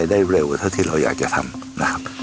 ได้เร็วเท่าที่เราอยากจะทำนะครับ